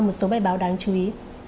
một số bài báo đáng chú ý